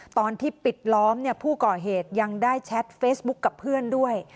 ตอนที่ปิดล้อมผู้ก่อเหตุยังได้แชทเฟซบุ๊คกับเพื่อนด้วย